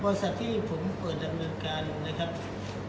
ที่ผมเปิดดำเนินการนะครับ